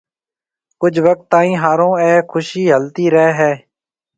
ڪجه وقت تائين هارون اَي خُوشِي هلتِي رهيَ هيَ۔